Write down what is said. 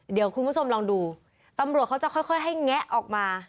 เดี๋ยวคุณผู้ชมลองดูตำรวจเขาจะค่อยให้แงะออกมา